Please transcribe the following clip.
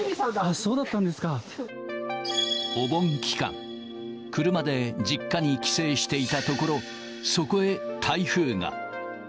そうだったんですか。お盆期間、車で実家に帰省していたところ、そこへ台風が。